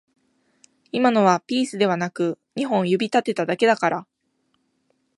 今のはピースではなく二本指立てただけだから